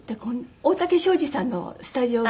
大竹省二さんのスタジオが。